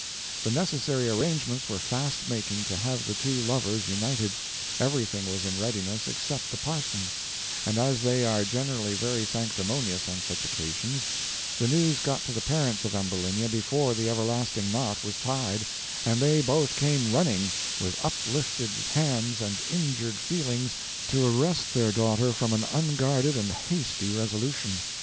The necessary arrangements were fast making to have the two lovers united everything was in readiness except the parson; and as they are generally very sanctimonious on such occasions, the news got to the parents of Ambulinia before the everlasting knot was tied, and they both came running, with uplifted hands and injured feelings, to arrest their daughter from an unguarded and hasty resolution.